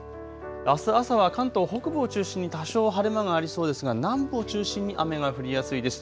あす朝は関東北部を中心に多少晴れ間がありそうですが南部を中心に雨が降りやすいです。